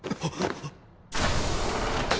あっ！